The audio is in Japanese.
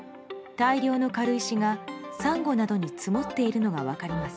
大量の軽石が、サンゴなどに積もっているのが分かります。